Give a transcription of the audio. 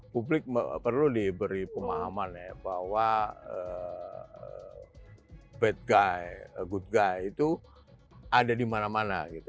publik perlu diberi pemahaman ya bahwa bad guy good guy itu ada di mana mana gitu